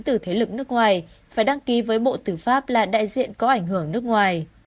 từ thế lực nước ngoài phải đăng ký với bộ tư pháp là đại diện có ảnh hưởng nước ngoài